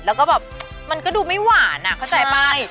แล้วก็แบบมันก็ดูไม่หวานอ่ะเข้าใจป่ะ